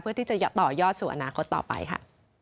เพื่อที่จะต่อยอดสู่อนาคตต่อไปค่ะ